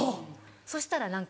そしたら何か。